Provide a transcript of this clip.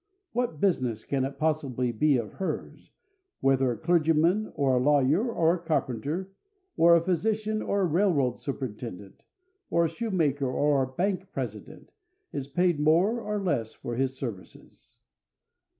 What business can it possibly be of hers whether a clergyman, or a lawyer, or a carpenter, or a physician, or a railroad superintendent, or a shoemaker, or a bank president, is paid more or less for his services?